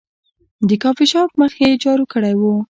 د کافي شاپ مخ یې جارو کړی و.